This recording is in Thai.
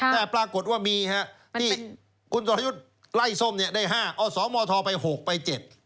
แต่ปรากฏว่ามีที่คุณศอลยุทธ์ไล่ส้มได้๕เอา๒มธไป๖ไป๗